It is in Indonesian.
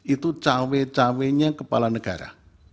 itu cawe cawe nya kepala negara